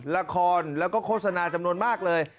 ละครแล้วก็โฆษณาจำนวนมากเลย